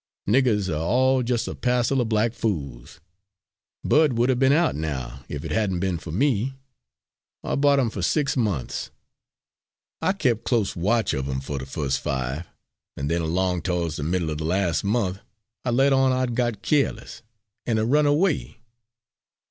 "Niggers are all just a passell o' black fools. Bud would 'a' b'en out now, if it hadn't be'n for me. I bought him fer six months. I kept close watch of him for the first five, and then along to'ds the middle er the las' month I let on I'd got keerliss, an' he run away.